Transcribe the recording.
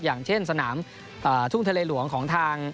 อย่างเช่นสนามทุ่งทะเลหลวงของทาง